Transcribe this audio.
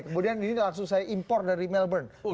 kemudian ini langsung saya impor dari melbourne